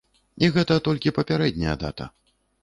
І гэта толькі папярэдняя дата.